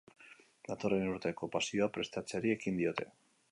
Datorren urteko pasioa prestatzeari ekin diote.